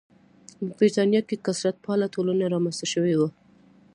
په برېټانیا کې کثرت پاله ټولنه رامنځته شوې وه.